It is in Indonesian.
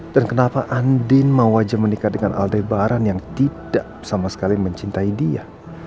dan kenapa andin mau aja menikah dengan aldebaran yang tidak sama sekali mencintai dia